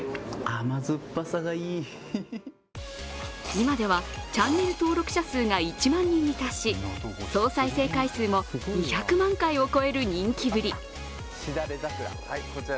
今ではチャンネル登録者数が１万人に達し、総再生回数も２００万回を超える人気ぶり。